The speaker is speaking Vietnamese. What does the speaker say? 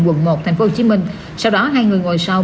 quận một tp hcm sau đó hai người ngồi sau